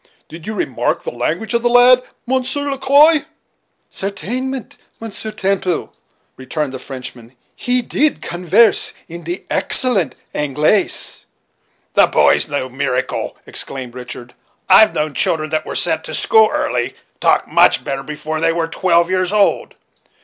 Did you remark the language of the lad. Monsieur Le Quoi?" "Certainement, Monsieur Temple," returned the French man, "he deed convairse in de excellent Anglaise." "The boy is no miracle," exclaimed Richard; "I've known children that were sent to school early, talk much better before they were twelve years old.